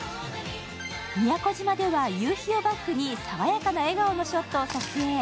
宮古島では夕日をバックに爽やかな笑顔のショットを撮影。